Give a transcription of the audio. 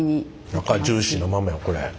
中ジューシーなままやこれ。